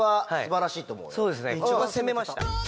一応は攻めました。